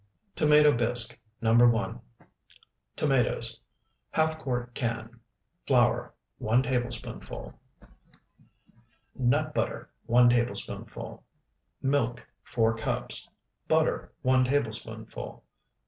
TOMATO BISQUE NO. 1 Tomatoes, ½ quart can. Flour, 1 tablespoonful. Nut butter, 1 tablespoonful. Milk, 4 cups. Butter, 1 tablespoonful.